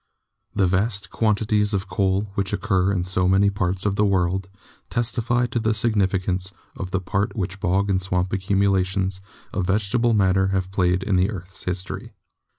The vast quantities of coal which occur in so many parts of the world testify to the significance of the part which bog and swamp accumulations of vegetable matter have played in the earth's history.